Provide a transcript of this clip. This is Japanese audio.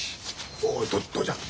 おおと父ちゃん。